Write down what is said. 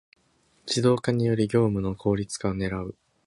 ⅱ 自動化により業務の効率化を狙う